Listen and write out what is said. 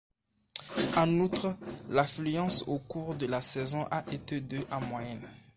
En outre, l'affluence au cours de la saison a été de en moyenne.